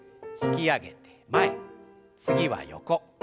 引き上げて前次は横。